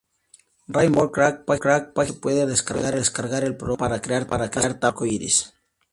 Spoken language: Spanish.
Rainbow Crack página donde se puede descargar el programa para crear tablas arcoíris.